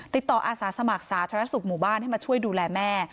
อาสาสมัครสาธารณสุขหมู่บ้านให้มาช่วยดูแลแม่